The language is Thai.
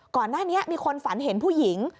ก่อนหน้านี้มีคนฝันเห็นผู้หญิง